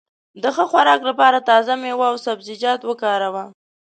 د ښه خوراک لپاره تازه مېوې او سبزيجات وکاروه.